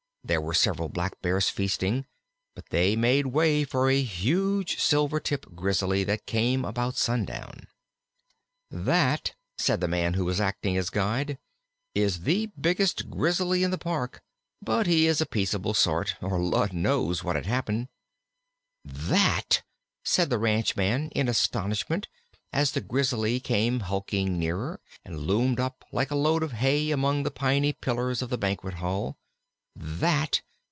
There were several Blackbears feasting, but they made way for a huge Silvertip Grizzly that came about sundown. "That," said the man who was acting as guide, "is the biggest Grizzly in the Park; but he is a peaceable sort, or Lud knows what'd happen." "That!" said the ranchman, in astonishment, as the Grizzly came hulking nearer, and loomed up like a load of hay among the piney pillars of the Banquet Hall. "That!